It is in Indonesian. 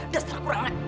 dasar kurang anak